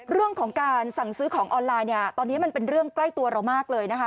เรื่องของการสั่งซื้อของออนไลน์เนี่ยตอนนี้มันเป็นเรื่องใกล้ตัวเรามากเลยนะคะ